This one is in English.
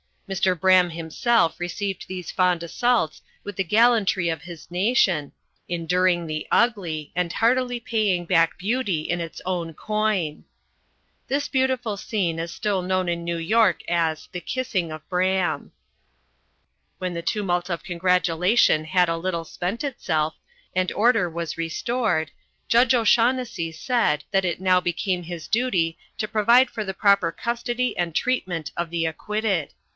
Mr. Braham himself received these fond assaults with the gallantry of his nation, enduring the ugly, and heartily paying back beauty in its own coin. This beautiful scene is still known in New York as "the kissing of Braham." When the tumult of congratulation had a little spent itself, and order was restored, Judge O'Shaunnessy said that it now became his duty to provide for the proper custody and treatment of the acquitted.